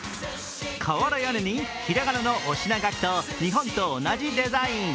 瓦屋根に平仮名のお品書きと日本と同じデザイン。